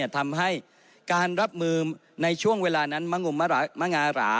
ทำให้การรับมือในช่วงเวลานั้นมะงารา